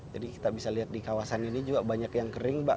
jadi kita bisa lihat di kawasan ini juga banyak yang kering mbak